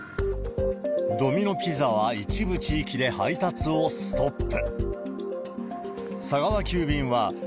ドミノ・ピザは一部地域で配達をストップ。